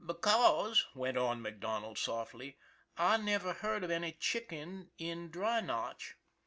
" Because," went on MacDonald softly, " I never heard of any chickens in Dry Notch."